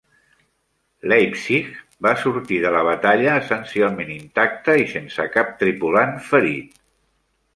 "Leipzig" va sortir de la batalla essencialment intacte i sense cap tripulant ferit.